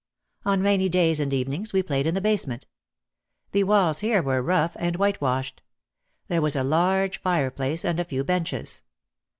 On rainy days and evenings we played in the basement. The walls here were rough and whitewashed. There was a large fireplace and a few benches.